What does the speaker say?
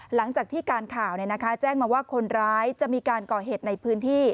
หลังจากที่การข่าวแจ้งมาว่าคนร้ายจะมีการก่อเหตุในพื้นที่